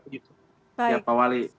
ya pak wali